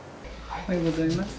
おはようございます。